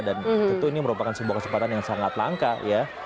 dan tentu ini merupakan sebuah kesempatan yang sangat langka ya